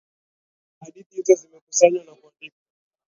Hadithi hizo zimekusanywa na kuandikwa.